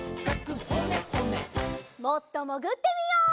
もっともぐってみよう。